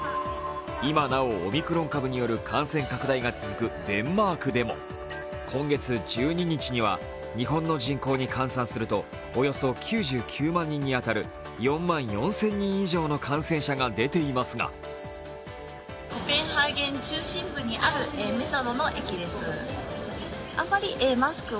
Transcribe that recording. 今なおオミクロン株による感染拡大が続くデンマークでも今月１２日には日本の人口に換算するとおよそ９９万人に当たる４万４０００人以上の感染者が出ていますがコペンハーゲン中心部にあるメトロの駅です。